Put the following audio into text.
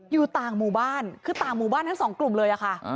อยู่ต่างหมู่บ้านคือต่างหมู่บ้านทั้งสองกลุ่มเลยอะค่ะ